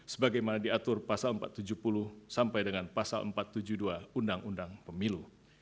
sebagaimana diatur pasal empat ratus tujuh puluh sampai dengan pasal empat ratus tujuh puluh dua undang undang pemilu